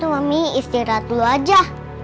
tunggu mami istirahat dulu aja